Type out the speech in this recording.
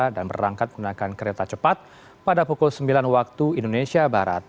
dan berangkat menggunakan kereta cepat pada pukul sembilan waktu indonesia barat